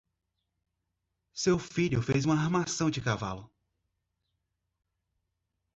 Seu filho fez uma armação de cavalo.